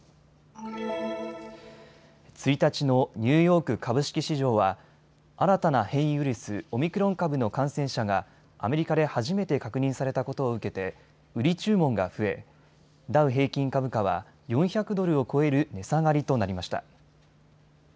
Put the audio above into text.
１日のニューヨーク株式市場は新たな変異ウイルス、オミクロン株の感染者がアメリカで初めて確認されたことを受けて売り注文が増えダウ平均株価は４００ドルを超える値下がりとなりました。